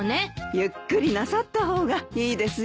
ゆっくりなさった方がいいですよ。